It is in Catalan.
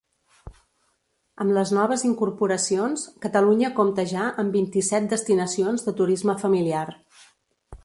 Amb les noves incorporacions, Catalunya compta ja amb vint-i-set destinacions de turisme familiar.